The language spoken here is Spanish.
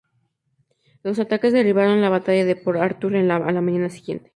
Los ataques derivaron en la Batalla de Port Arthur a la mañana siguiente.